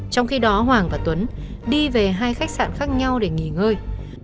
trong khi đó hoàng và tuấn đi về hai khách sạn khác nhau để nghỉ ngơi